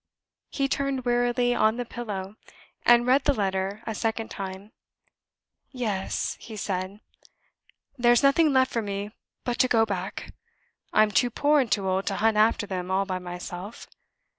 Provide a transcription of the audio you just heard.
He turned wearily on the pillow, and read the letter a second time. "Yes," he said, "there's nothing left for me but to go back. I'm too poor and too old to hunt after them all by myself."